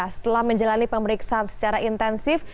setelah menjalani pemeriksaan secara intensif